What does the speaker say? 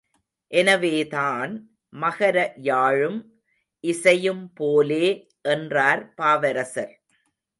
எனவேதான், மகர யாழும் இசையும் போலே என்றார் பாவரசர்.